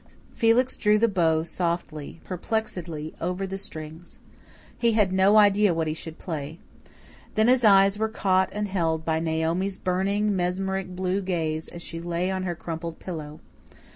Felix drew the bow softly, perplexedly over the strings. He had no idea what he should play. Then his eyes were caught and held by Naomi's burning, mesmeric, blue gaze as she lay on her crumpled pillow.